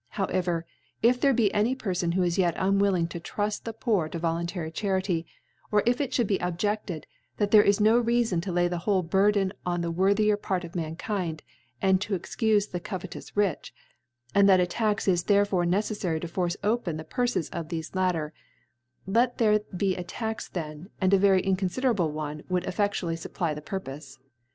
However, if there 4)e any Perfon who is yet unwilling to truft the Poor to voluntary Charity, or if it fhould be objeded, that there is no Reafon to lay the whole Burden on the worthier Pare of Mankind, and to excufe the covetous Rich ; and that a Ta^c is therefore neccffary to force open the Purfes of thefe latter ; let there be a Tax then, and a very inconfiderable one would effeftually fupply the Purpofe f